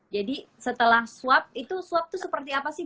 jadi setelah swab itu swab tuh seperti apa sih